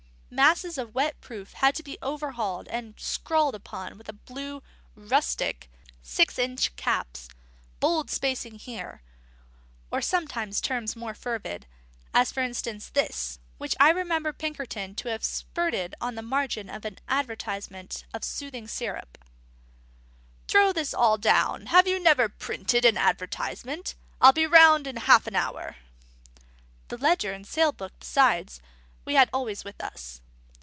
Masses of wet proof had to be overhauled and scrawled upon with a blue pencil "rustic" "six inch caps" "bold spacing here" or sometimes terms more fervid, as for instance this, which I remember Pinkerton to have spirted on the margin of an advertisement of Soothing Syrup: "Throw this all down. Have you never printed an advertisement? I'll be round in half an hour." The ledger and sale book, besides, we had always with us.